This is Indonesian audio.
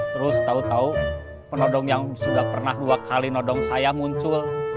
terus tahu tahu penodong yang sudah pernah dua kali nodong saya muncul